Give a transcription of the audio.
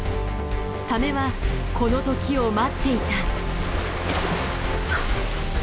サメはこの時を待っていた。